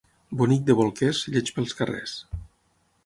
Bonic de bolquers, lleig pels carrers.